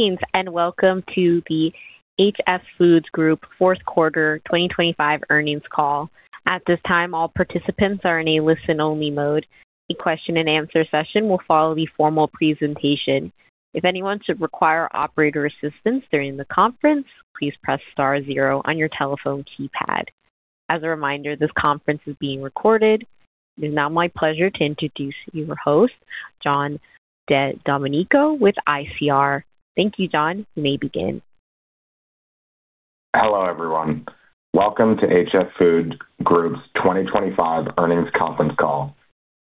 Greetings, and welcome to the HF Foods Group Fourth Quarter 2025 Earnings Call. At this time, all participants are in a listen-only mode. A question and answer session will follow the formal presentation. If anyone should require operator assistance during the conference, please press star zero on your telephone keypad. As a reminder, this conference is being recorded. It is now my pleasure to introduce your host, Jon DeDomenico with ICR. Thank you, Jon. You may begin. Hello, everyone. Welcome to HF Foods Group's 2025 Earnings Conference Call.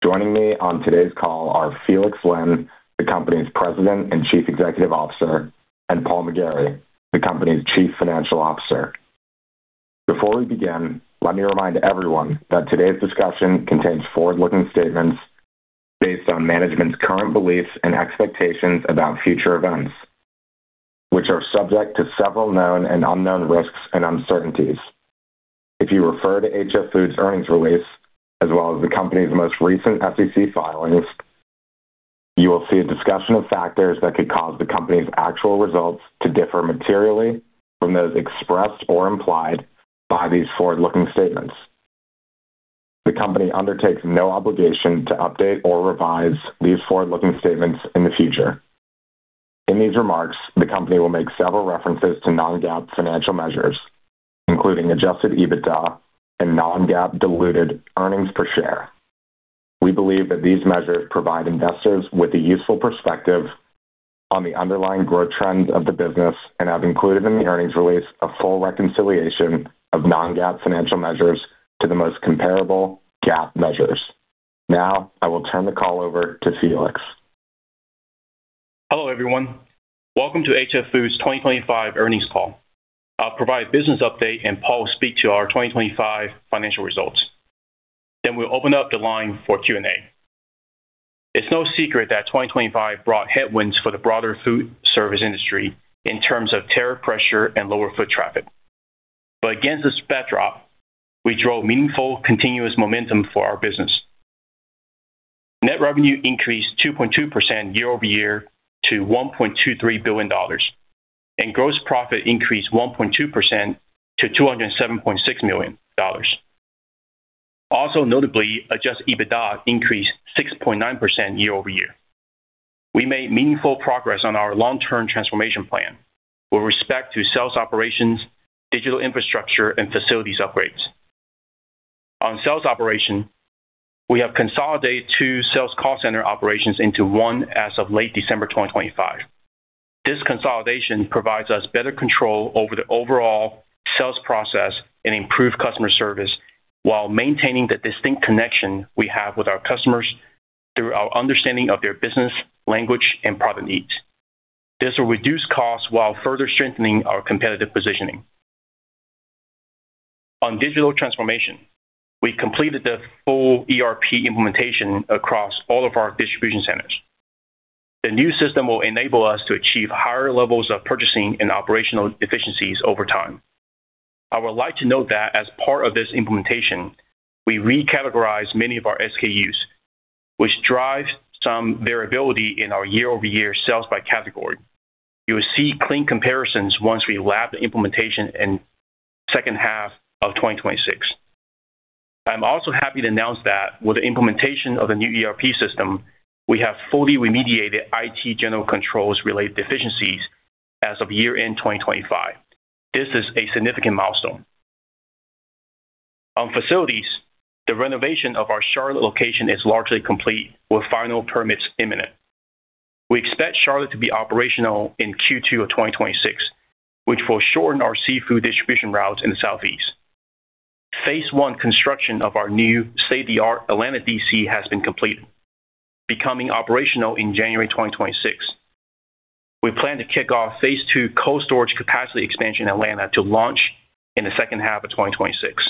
Joining me on today's call are Felix Lin, the company's President and Chief Executive Officer, and Paul McGarry, the company's Chief Financial Officer. Before we begin, let me remind everyone that today's discussion contains forward-looking statements based on management's current beliefs and expectations about future events, which are subject to several known and unknown risks and uncertainties. If you refer to HF Foods earnings release, as well as the company's most recent SEC filings, you will see a discussion of factors that could cause the company's actual results to differ materially from those expressed or implied by these forward-looking statements. The company undertakes no obligation to update or revise these forward-looking statements in the future. In these remarks, the company will make several references to non-GAAP financial measures, including Adjusted EBITDA and non-GAAP diluted earnings per share. We believe that these measures provide investors with a useful perspective on the underlying growth trends of the business and have included in the earnings release a full reconciliation of non-GAAP financial measures to the most comparable GAAP measures. Now I will turn the call over to Felix. Hello, everyone. Welcome to HF Foods' 2025 earnings call. I'll provide business update and Paul will speak to our 2025 financial results. We'll open up the line for Q&A. It's no secret that 2025 brought headwinds for the broader food service industry in terms of tariff pressure and lower foot traffic. Against this backdrop, we drove meaningful continuous momentum for our business. Net revenue increased 2.2% year-over-year to $1.23 billion, and gross profit increased 1.2% to $207.6 million. Also notably, Adjusted EBITDA increased 6.9% year-over-year. We made meaningful progress on our long-term transformation plan with respect to sales operations, digital infrastructure, and facilities upgrades. On sales operation, we have consolidated two sales call center operations into one as of late December 2025. This consolidation provides us better control over the overall sales process and improve customer service while maintaining the distinct connection we have with our customers through our understanding of their business, language, and product needs. This will reduce costs while further strengthening our competitive positioning. On digital transformation, we completed the full ERP implementation across all of our distribution centers. The new system will enable us to achieve higher levels of purchasing and operational efficiencies over time. I would like to note that as part of this implementation, we re-categorized many of our SKUs, which drives some variability in our year-over-year sales by category. You will see clean comparisons once we lap the implementation in second half of 2026. I'm also happy to announce that with the implementation of the new ERP system, we have fully remediated IT general controls related deficiencies as of year-end 2025. This is a significant milestone. On facilities, the renovation of our Charlotte location is largely complete with final permits imminent. We expect Charlotte to be operational in Q2 of 2026, which will shorten our seafood distribution routes in the Southeast. Phase one construction of our new state-of-the-art Atlanta DC has been completed, becoming operational in January 2026. We plan to kick off phase two cold storage capacity expansion in Atlanta to launch in the second half of 2026.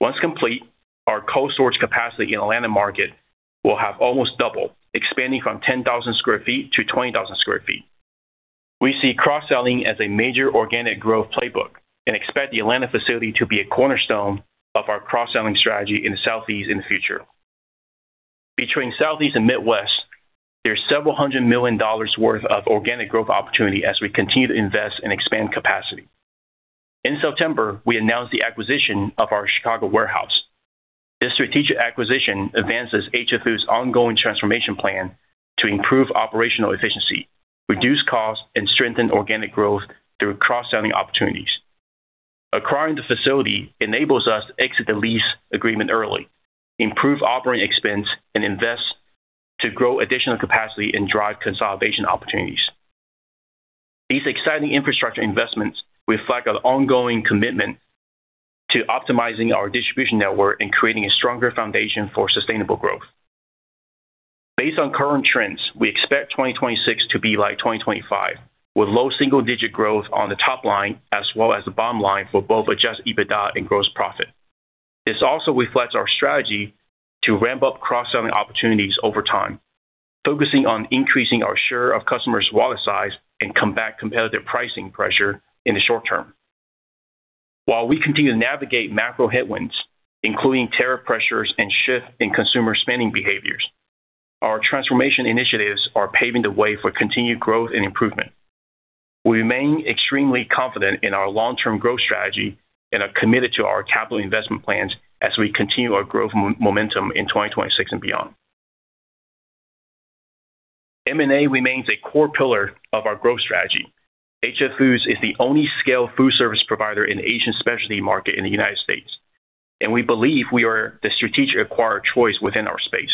Once complete, our cold storage capacity in Atlanta market will have almost doubled, expanding from 10,000 sq ft to 20,000 sq ft. We see cross-selling as a major organic growth playbook and expect the Atlanta facility to be a cornerstone of our cross-selling strategy in the Southeast in the future. Between Southeast and Midwest, there's several hundred million dollars worth of organic growth opportunity as we continue to invest and expand capacity. In September, we announced the acquisition of our Chicago warehouse. This strategic acquisition advances HF Foods' ongoing transformation plan to improve operational efficiency, reduce costs, and strengthen organic growth through cross-selling opportunities. Acquiring the facility enables us to exit the lease agreement early, improve operating expense, and invest to grow additional capacity and drive consolidation opportunities. These exciting infrastructure investments reflect our ongoing commitment to optimizing our distribution network and creating a stronger foundation for sustainable growth. Based on current trends, we expect 2026 to be like 2025, with low single-digit growth on the top line as well as the bottom line for both Adjusted EBITDA and gross profit. This also reflects our strategy to ramp up cross-selling opportunities over time, focusing on increasing our share of customers' wallet size and combat competitive pricing pressure in the short term. While we continue to navigate macro headwinds, including tariff pressures and shift in consumer spending behaviors, our transformation initiatives are paving the way for continued growth and improvement. We remain extremely confident in our long-term growth strategy and are committed to our capital investment plans as we continue our growth momentum in 2026 and beyond. M&A remains a core pillar of our growth strategy. HF Foods is the only scale food service provider in the Asian specialty market in the United States, and we believe we are the strategic acquirer of choice within our space.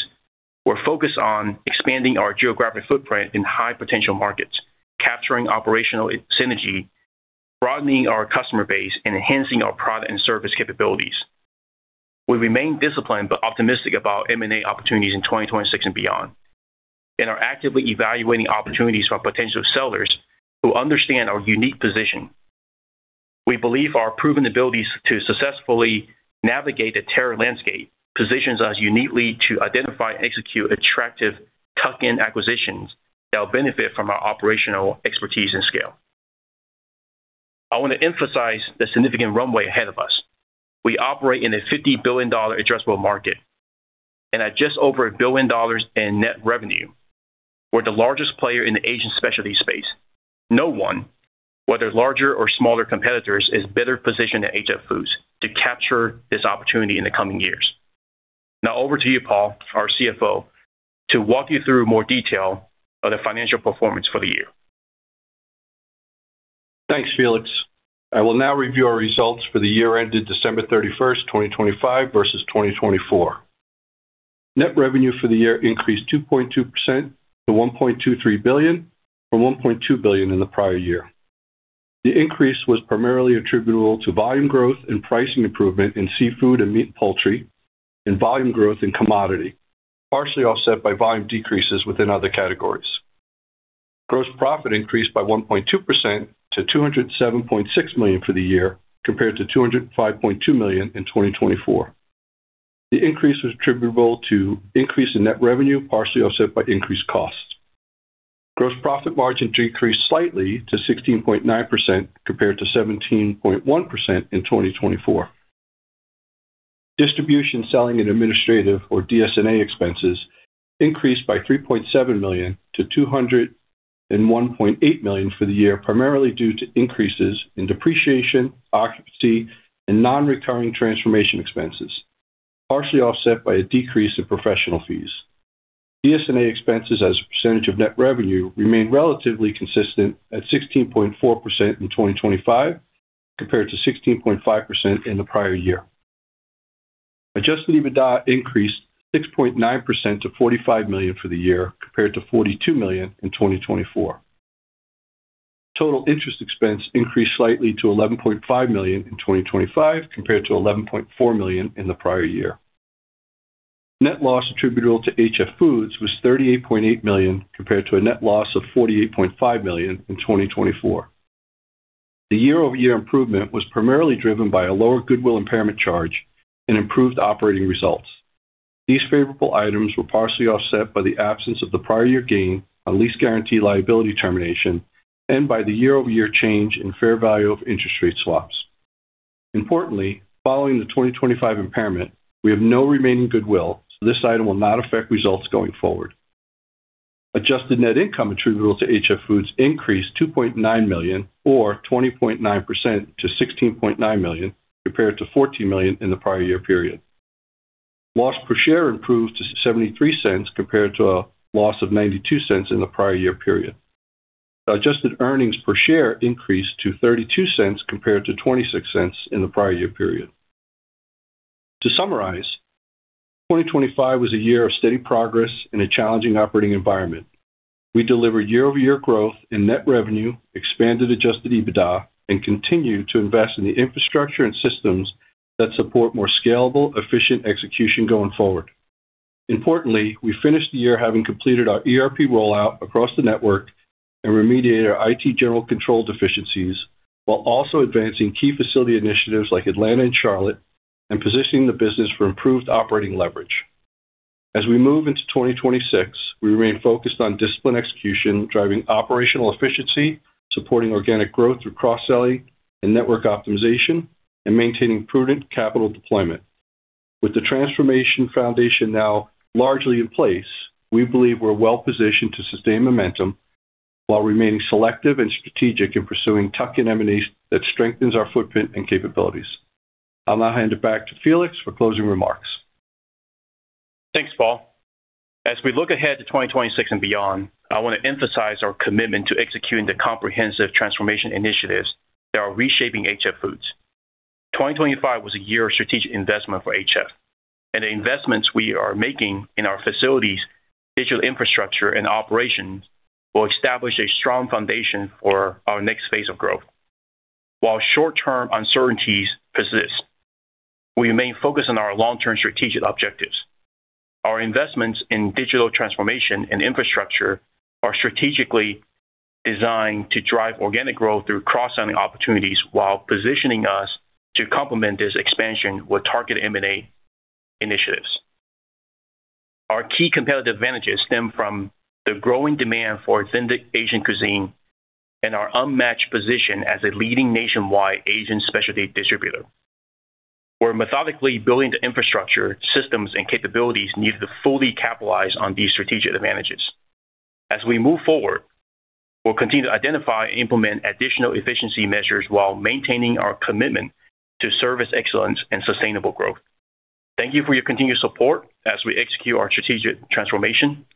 We're focused on expanding our geographic footprint in high potential markets, capturing operational synergy, broadening our customer base, and enhancing our product and service capabilities. We remain disciplined but optimistic about M&A opportunities in 2026 and beyond and are actively evaluating opportunities from potential sellers who understand our unique position. We believe our proven abilities to successfully navigate the tariff landscape positions us uniquely to identify and execute attractive tuck-in acquisitions that will benefit from our operational expertise and scale. I want to emphasize the significant runway ahead of us. We operate in a $50 billion addressable market and at just over $1 billion in net revenue, we're the largest player in the Asian specialty space. No one, whether larger or smaller competitors, is better positioned than HF Foods to capture this opportunity in the coming years. Now over to you, Paul, our CFO, to walk you through more detail of the financial performance for the year. Thanks, Felix. I will now review our results for the year ended December 31st, 2025 versus 2024. Net revenue for the year increased 2.2% to $1.23 billion from $1.2 billion in the prior year. The increase was primarily attributable to volume growth and pricing improvement in seafood and meat poultry and volume growth in commodity, partially offset by volume decreases within other categories. Gross profit increased by 1.2% to $207.6 million for the year, compared to $205.2 million in 2024. The increase was attributable to increase in net revenue, partially offset by increased costs. Gross profit margin decreased slightly to 16.9% compared to 17.1% in 2024. Distribution, Selling and Administrative, or DS&A expenses, increased by $3.7 million-$201.8 million for the year, primarily due to increases in depreciation, occupancy, and non-recurring transformation expenses, partially offset by a decrease in professional fees. DS&A expenses as a percentage of net revenue remained relatively consistent at 16.4% in 2025 compared to 16.5% in the prior year. Adjusted EBITDA increased 6.9% to $45 million for the year compared to $42 million in 2024. Total interest expense increased slightly to $11.5 million in 2025 compared to $11.4 million in the prior year. Net loss attributable to HF Foods was $38.8 million compared to a net loss of $48.5 million in 2024. The year-over-year improvement was primarily driven by a lower goodwill impairment charge and improved operating results. These favorable items were partially offset by the absence of the prior year gain on lease guarantee liability termination and by the year-over-year change in fair value of interest rate swaps. Importantly, following the 2025 impairment, we have no remaining goodwill, so this item will not affect results going forward. Adjusted net income attributable to HF Foods increased $2.9 million or 20.9% to $16.9 million compared to $14 million in the prior year period. Loss per share improved to $0.73 compared to a loss of $0.92 in the prior year period. Adjusted earnings per share increased to $0.32 compared to $0.26 in the prior year period. To summarize, 2025 was a year of steady progress in a challenging operating environment. We delivered year-over-year growth in net revenue, expanded Adjusted EBITDA, and continued to invest in the infrastructure and systems that support more scalable, efficient execution going forward. Importantly, we finished the year having completed our ERP rollout across the network and remediated our IT general controls deficiencies while also advancing key facility initiatives like Atlanta and Charlotte and positioning the business for improved operating leverage. As we move into 2026, we remain focused on disciplined execution, driving operational efficiency, supporting organic growth through cross-selling and network optimization, and maintaining prudent capital deployment. With the transformation foundation now largely in place, we believe we're well positioned to sustain momentum while remaining selective and strategic in pursuing tuck-in M&As that strengthens our footprint and capabilities. I'll now hand it back to Felix for closing remarks. Thanks, Paul. As we look ahead to 2026 and beyond, I want to emphasize our commitment to executing the comprehensive transformation initiatives that are reshaping HF Foods. 2025 was a year of strategic investment for HF, and the investments we are making in our facilities, digital infrastructure, and operations will establish a strong foundation for our next phase of growth. While short-term uncertainties persist, we remain focused on our long-term strategic objectives. Our investments in digital transformation and infrastructure are strategically designed to drive organic growth through cross-selling opportunities while positioning us to complement this expansion with target M&A initiatives. Our key competitive advantages stem from the growing demand for authentic Asian cuisine and our unmatched position as a leading nationwide Asian specialty distributor. We're methodically building the infrastructure, systems, and capabilities needed to fully capitalize on these strategic advantages. As we move forward, we'll continue to identify and implement additional efficiency measures while maintaining our commitment to service excellence and sustainable growth. Thank you for your continued support as we execute our strategic transformation.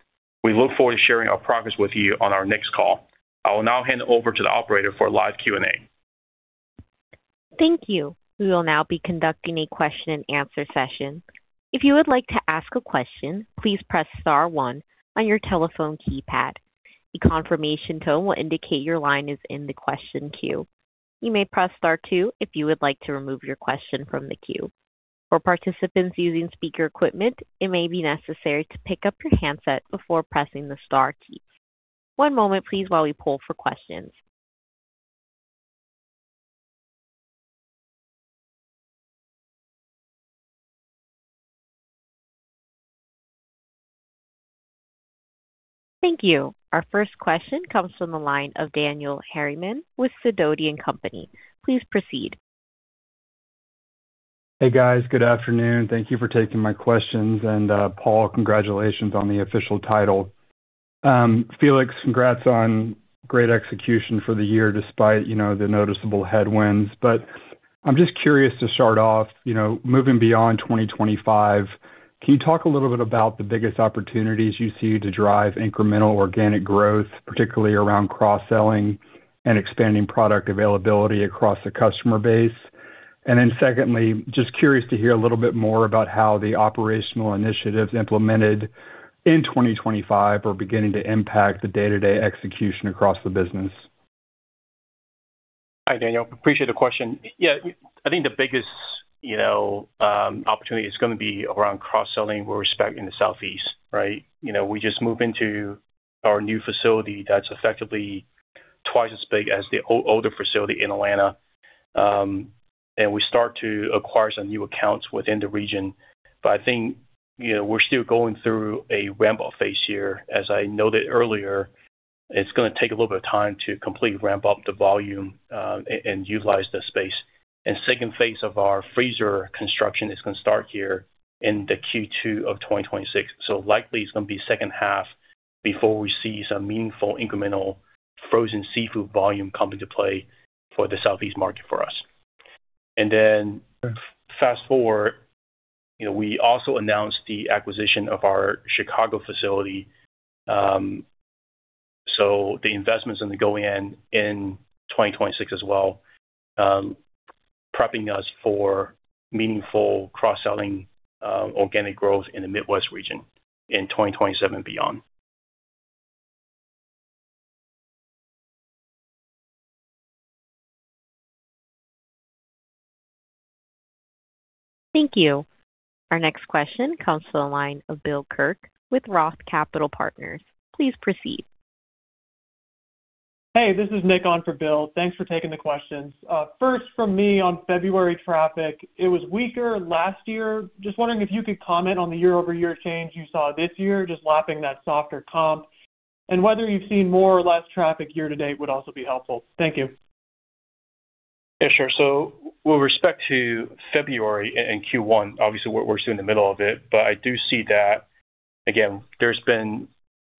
We look forward to sharing our progress with you on our next call. I will now hand over to the operator for live Q&A. Thank you. We will now be conducting a question and answer session. If you would like to ask a question, please press star one on your telephone keypad. A confirmation tone will indicate your line is in the question queue. You may press star two if you would like to remove your question from the queue. For participants using speaker equipment, it may be necessary to pick up your handset before pressing the star key. One moment, please, while we pull for questions. Thank you. Our first question comes from the line of Daniel Harriman with Sidoti & Company. Please proceed. Hey, guys. Good afternoon. Thank you for taking my questions. Paul, congratulations on the official title. Felix, congrats on great execution for the year despite, you know, the noticeable headwinds. I'm just curious to start off, you know, moving beyond 2025, can you talk a little bit about the biggest opportunities you see to drive incremental organic growth, particularly around cross-selling and expanding product availability across the customer base? Then secondly, just curious to hear a little bit more about how the operational initiatives implemented in 2025 are beginning to impact the day-to-day execution across the business. Hi, Daniel. Appreciate the question. Yeah. I think the biggest, you know, opportunity is gonna be around cross-selling with respect in the Southeast, right? You know, we just moved into our new facility that's effectively twice as big as the old, older facility in Atlanta. And we start to acquire some new accounts within the region. But I think, you know, we're still going through a ramp-up phase here. As I noted earlier, it's gonna take a little bit of time to completely ramp up the volume, and utilize the space. Second phase of our freezer construction is gonna start here in the Q2 of 2026. So likely it's gonna be second half before we see some meaningful incremental frozen seafood volume come into play for the Southeast market for us. Then fast-forward, you know, we also announced the acquisition of our Chicago facility, so the investments on the go in 2026 as well, prepping us for meaningful cross-selling, organic growth in the Midwest region in 2027 and beyond. Thank you. Our next question comes to the line of Bill Kirk with Roth Capital Partners. Please proceed. Hey, this is Nick on for Bill. Thanks for taking the questions. First from me on February traffic, it was weaker last year. Just wondering if you could comment on the year-over-year change you saw this year, just lapping that softer comp, and whether you've seen more or less traffic year to date would also be helpful. Thank you. Yeah, sure. With respect to February and Q1, obviously we're still in the middle of it, but I do see that again, there's been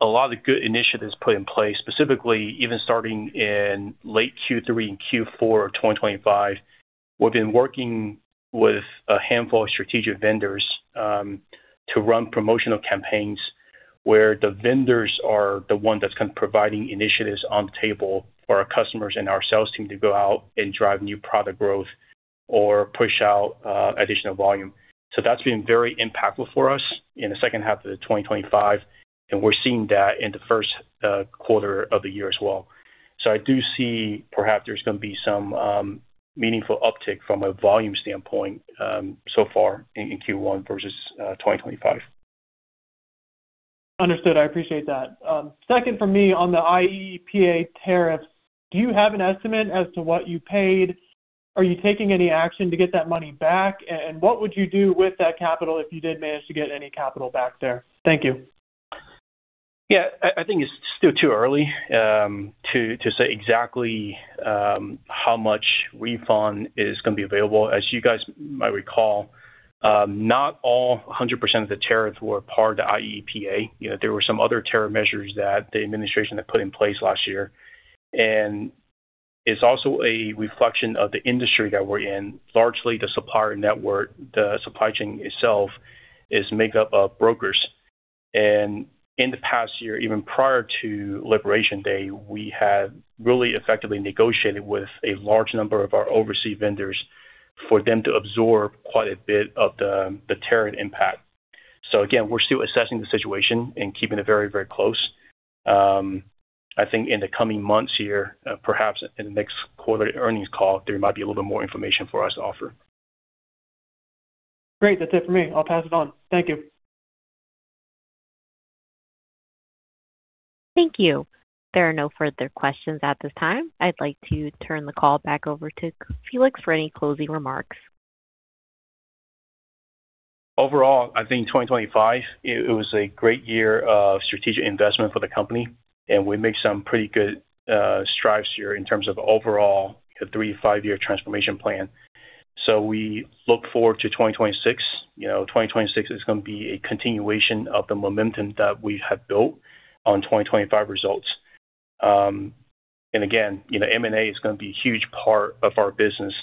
a lot of good initiatives put in place. Specifically, even starting in late Q3 and Q4 of 2025, we've been working with a handful of strategic vendors to run promotional campaigns where the vendors are the one that's kind of providing initiatives on the table for our customers and our sales team to go out and drive new product growth or push out additional volume. That's been very impactful for us in the second half of 2025, and we're seeing that in the first quarter of the year as well. I do see perhaps there's gonna be some meaningful uptick from a volume standpoint so far in Q1 versus 2025. Understood. I appreciate that. Second for me on the IEEPA tariffs, do you have an estimate as to what you paid? Are you taking any action to get that money back? And what would you do with that capital if you did manage to get any capital back there? Thank you. Yeah. I think it's still too early to say exactly how much refund is gonna be available. As you guys might recall, not all 100% of the tariffs were part of the IEEPA. You know, there were some other tariff measures that the administration had put in place last year. It's also a reflection of the industry that we're in. Largely, the supplier network, the supply chain itself is made up of brokers. In the past year, even prior to Liberation Day, we had really effectively negotiated with a large number of our overseas vendors for them to absorb quite a bit of the tariff impact. Again, we're still assessing the situation and keeping it very, very close. I think in the coming months here, perhaps in the next quarterly earnings call, there might be a little bit more information for us to offer. Great. That's it for me. I'll pass it on. Thank you. Thank you. There are no further questions at this time. I'd like to turn the call back over to Felix for any closing remarks. Overall, I think 2025, it was a great year of strategic investment for the company, and we made some pretty good strides here in terms of overall the three, five-year transformation plan. We look forward to 2026. You know, 2026 is gonna be a continuation of the momentum that we have built on 2025 results. Again, you know, M&A is gonna be a huge part of our business.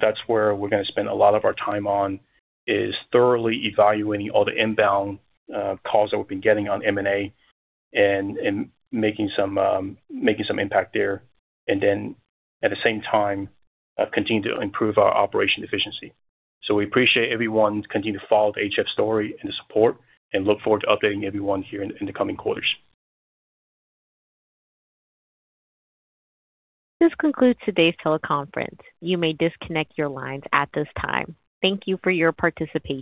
That's where we're gonna spend a lot of our time on, is thoroughly evaluating all the inbound calls that we've been getting on M&A and making some impact there. Then at the same time, continue to improve our operation efficiency. We appreciate everyone continue to follow the HF story and the support and look forward to updating everyone here in the coming quarters. This concludes today's teleconference. You may disconnect your lines at this time. Thank you for your participation.